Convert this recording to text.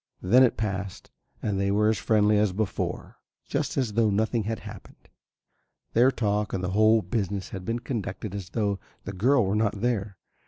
Then it passed and they were as friendly as before, just as though nothing had happened. Their talk and the whole business had been conducted as though the girl were not there.